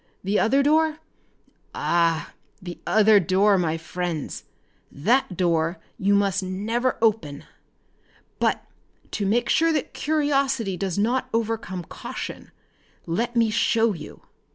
The other door? Ah, the other door my friends! That door you must never open. But to make sure that curiosity does not overcome caution, let me show you!"